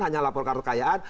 hanya laporkan kekayaan